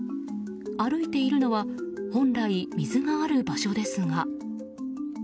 歩いているのは本来、水がある場所ですが。